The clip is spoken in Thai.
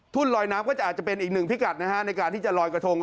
ลอยน้ำก็จะอาจจะเป็นอีกหนึ่งพิกัดนะฮะในการที่จะลอยกระทง